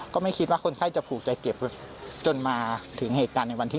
ก็ไม่คิดว่าคนไข้จะผูกใจเจ็บจนมาถึงเหตุการณ์ในวันที่๑